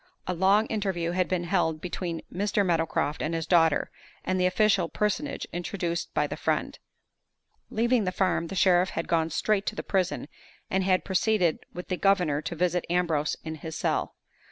A long interview had been held between Mr. Meadowcroft and his daughter and the official personage introduced by the friend. Leaving the farm, the sheriff had gone straight to the prison, and had proceeded with the governor to visit Ambrose in his cell.